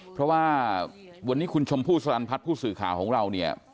เพราะว่าวันนี้คุณชมพู่สลันพัฒน์ผู้สื่อข่าวของเราเนี่ย